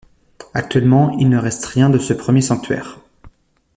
Actuellement, il ne reste rien de ce premier sanctuaire.